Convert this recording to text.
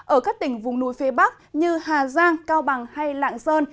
ở các tỉnh vùng núi phía bắc như hà giang cao bằng hay lạng sơn